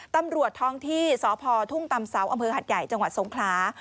ตำรวจท้องที่สพทุ่งตำเสาอำเภอหัดใหญ่จังหวัดสงคลา